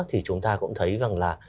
thì chúng ta cũng thấy rằng là